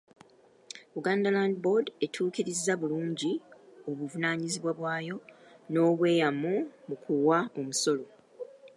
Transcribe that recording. Buganda Land Board etuukiriza bulungi obuvunaanyizibwa bwayo n’obweyamo mu kuwa omusolo.